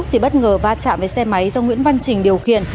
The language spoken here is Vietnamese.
thì bất ngờ va chạm với xe máy do nguyễn văn trình điều khiển